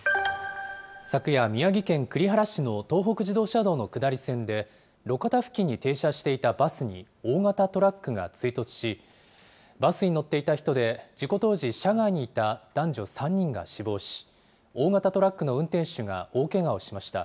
昨夜、宮城県栗原市の東北自動車道の下り線で、路肩付近に停車していたバスに、大型トラックが追突し、バスに乗っていた人で、事故当時、車外にいた男女３人が死亡し、大型トラックの運転手が大けがをしました。